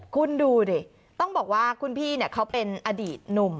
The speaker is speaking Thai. คุณดูดิต้องบอกว่าคุณพี่เขาเป็นอดีตหนุ่ม